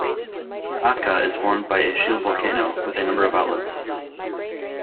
Atka is formed by a shield volcano, with a number of outlets.